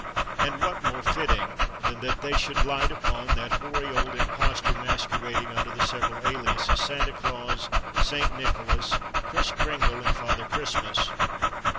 And what more fitting than that they should light upon that hoary old imposter masquerading under the several aliases Santa Claus, Saint Nicholas, Kris Kringle, and Father Christmas?